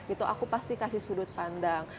itu aku pasti kasih sudut pandang